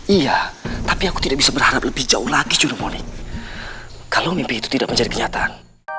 iya tapi aku tidak bisa berharap lebih jauh lagi sudah moni kalau mimpi itu tidak menjadi kenyataan